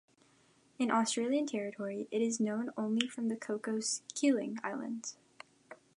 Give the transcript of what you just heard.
In Australian territory it is known only from the Cocos (Keeling) Islands.